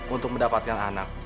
untuk mendapatkan anak